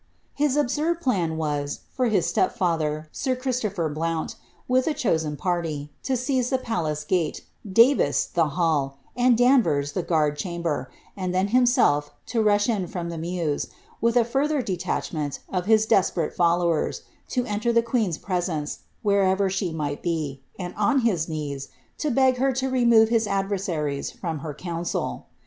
His absurd plan was, for his step father, sir Christopher Blount, with a chosen party, to seize the palace gate, Davis the hall, and Danvers the gnani chamber, and then himself to rush in from the mews, with a fur^ ther detachment of his desperate followers, and to enter the queen's pre sence, wherever she might be, and, on his knees, to beg her to remove his adversaries from her council.'